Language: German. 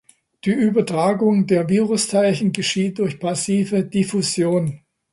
Die Übertragung der Virusteilchen geschieht durch passive Diffusion.